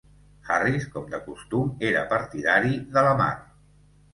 Harris, com de costum, era partidari de la mar.